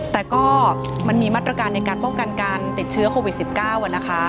แต่ก็มันมีมาตรการในการป้องกันการติดเชื้อโควิด๑๙นะคะ